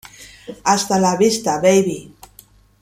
Hasta la vista, baby!